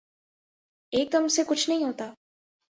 ایک دم سے کچھ نہیں ہوتا